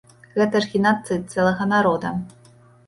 Гэта ж генацыд цэлага народа.